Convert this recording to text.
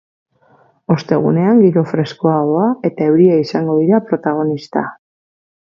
Ostegunean, giro freskoagoa eta euria izango dira protagonista.